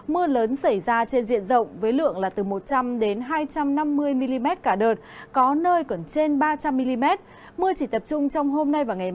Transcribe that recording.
mưa lớn xảy ra trên diện rộng với lượng là từ một trăm linh hai trăm năm mươi mm